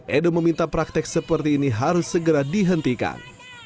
edo meminta praktek seperti ini harus segera dihentikan